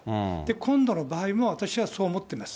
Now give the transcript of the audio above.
今度の場合も私はそう思っています。